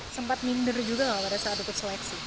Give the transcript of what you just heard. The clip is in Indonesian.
sempat minder juga pada saat untuk seleksi